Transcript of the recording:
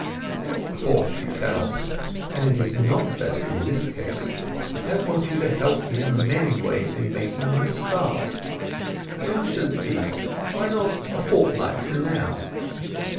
"Of course you cannot—and it is not best in this case. I want you to help me in many ways in making my start. When shall it be? Why not a fortnight from now?"